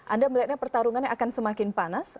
anda melihatnya pertarungannya akan semakin panas